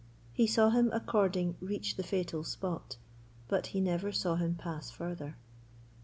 He saw him according reach the fatal spot; but he never saw him pass further.